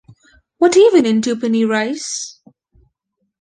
What even is tuppenny rice?